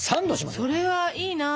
それはいいな。